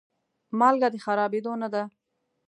مالګه د خرابېدو نه ده.